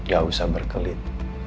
gak usah berkelit